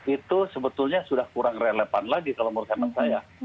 itu sebetulnya sudah kurang relevan lagi kalau menurut hemat saya